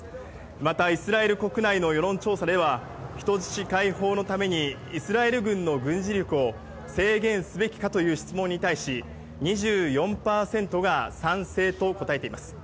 また、イスラエル国内の世論調査では、人質解放のためにイスラエル軍の軍事力を制限すべきかという質問に対し２４％が賛成と答えています。